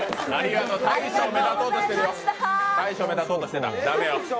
大昇目立とうとしてた、駄目よ。